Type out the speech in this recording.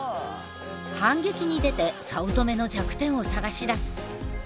反撃に出て早乙女の弱点を探し出す。